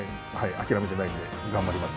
諦めてないんで頑張ります。